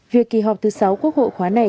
việc kỳ họp thứ sáu quốc hội khóa này